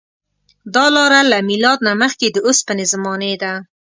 دا لاره له میلاد نه مخکې د اوسپنې زمانې ده.